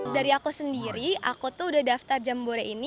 dari aku sendiri aku tuh udah daftar jambore ini